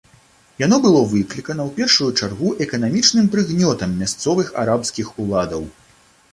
Яно было выклікана ў першую чаргу эканамічным прыгнётам мясцовых арабскіх уладаў.